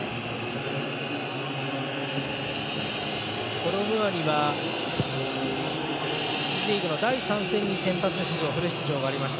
コロムアニは１次リーグの第３戦にフル出場がありました。